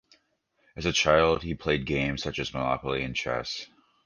As a child he played games such as "Monopoly" and chess.